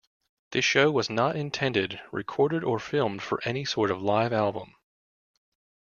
This show was not intended, recorded or filmed for any sort of live album.